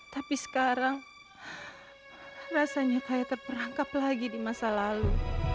tapi sekarang rasanya kayak terperangkap lagi di masa lalu